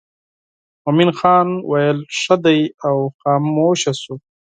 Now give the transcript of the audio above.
مومن خان ویل ښه دی او خاموش شو.